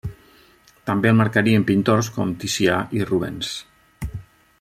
També el marcarien pintors com Ticià i Rubens.